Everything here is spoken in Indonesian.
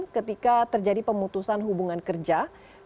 ketika terjadi pemukulan dan penyelamatan peraturan yang baru